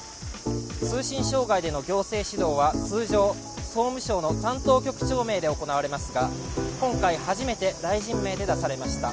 通信障害での行政指導は通常、総務省の担当局長名で行われますが、今回初めて大臣名で出されました。